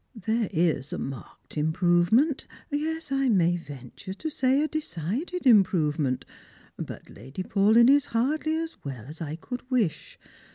" There is a marked improvement ; yes, I may venture to say a decided improvement ; but Lady Paulyn is hardly as well as I could wish.